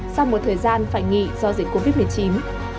sau một thời gian phải nghỉ do dịch covid một mươi chín